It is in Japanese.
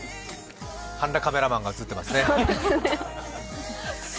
半裸カメラマンが映ってますね。